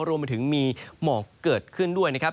รวมไปถึงมีหมอกเกิดขึ้นด้วยนะครับ